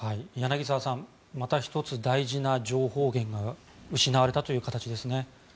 柳澤さんまた１つ、大事な情報源が失われたという形ですね。